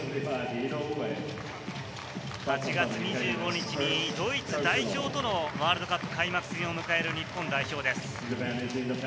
８月２５日にドイツ代表とのワールドカップ開幕戦を迎える日本代表です。